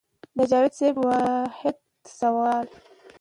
د جاوېد صېب واحد سوال